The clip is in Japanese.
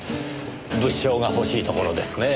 物証が欲しいところですねえ。